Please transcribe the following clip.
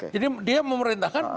jadi dia memerintahkan